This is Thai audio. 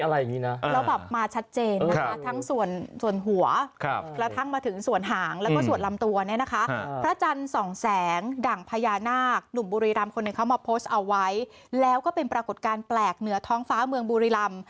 เรามาชัดเจนนะคะทั้งส่วนหัวแล้วมาส่วนหางแล้วก็ขวางลำตัว